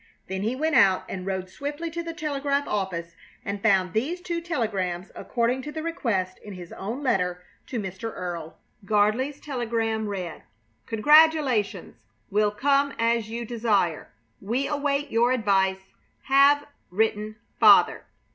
Then he went out and rode swiftly to the telegraph office and found these two telegrams, according to the request in his own letter to Mr. Earle. Gardley's telegram read: Congratulations. Will come as you desire. We await your advice. Have written. FATHER.